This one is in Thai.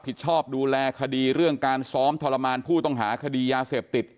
ชอบดูแลคดีเรื่องการซ้อมทรมานผู้ต้องหาคดียาเสพติด